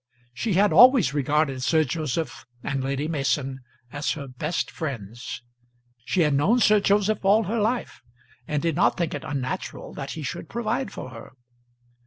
She had always regarded Sir Joseph and Lady Mason as her best friends. She had known Sir Joseph all her life, and did not think it unnatural that he should provide for her.